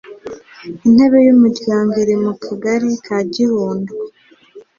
Intebe y Umuryango iri mu Kagari ka Gihundwe